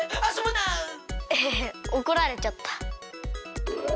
ヘヘヘおこられちゃった。